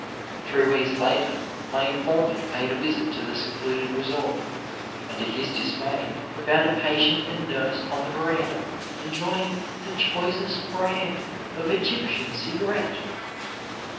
Three weeks later, my informant paid a visit to the secluded resort, and to his dismay foimd patient and nurse on the verandah enjoying the choicest brand of Egyptian cigarette